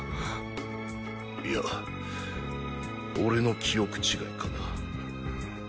イヤ俺の記憶違いかな。